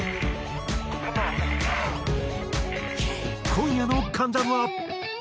今夜の『関ジャム』は。